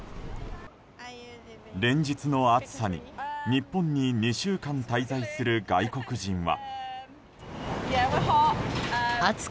連日の暑さに日本に２週間滞在する外国人は。